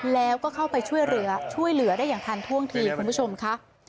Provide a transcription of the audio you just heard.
แล้วก็เข้าไปช่วยเหลือช่วยเหลือได้อย่างทันท่วงทีคุณผู้ชมค่ะ